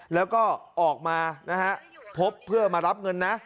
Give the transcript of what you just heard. แล้วก็ออกมานะฮะพบเพื่อมารับเงินนะ